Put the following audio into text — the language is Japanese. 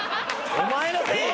お前らのせいや！